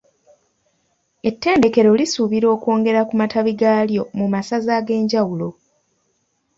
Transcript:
Ettendekero lisuubira okwongera ku matabi gaalyo mu masaza ag’enjawulo.